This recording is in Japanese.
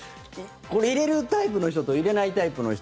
入れるタイプの人と入れないタイプの人